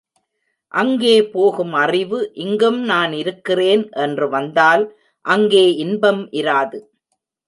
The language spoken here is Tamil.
அங்கே போகும் அறிவு இங்கும் நான் இருக்கிறேன் என்று வந்தால் அங்கே இன்பம் இராது.